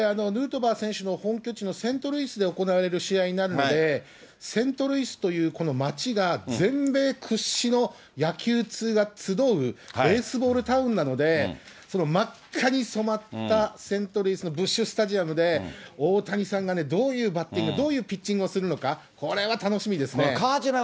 これ、ヌートバー選手の本拠地のセントルイスで行われる試合になるので、セントルイスというこの街が全米屈指の野球通が集うベースボールタウンなので、その真っ赤に染まったセントルイスのブッシュスタジアムで、大谷さんがどういうバッティング、どういうピッチングをするのか、これは楽しみですね。